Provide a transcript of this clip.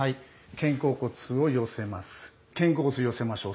肩甲骨を寄せましょう。